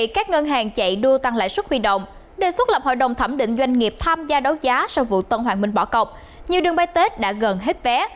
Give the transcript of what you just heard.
các ngân hàng chạy đua tăng lãi suất huy động đề xuất lập hội đồng thẩm định doanh nghiệp tham gia đấu giá sau vụ tân hoàng minh bỏ cọc nhiều đường bay tết đã gần hết vé